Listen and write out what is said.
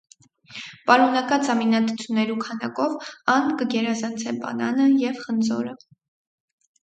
Պարունակած ամինաթթուներու քանակով ,ան կը գերազանցէ պանանը եւ խնձորը։